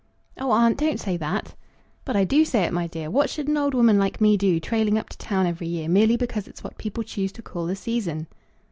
"Oh, aunt, don't say that!" "But I do say it, my dear. What should an old woman like me do, trailing up to town every year, merely because it's what people choose to call the season."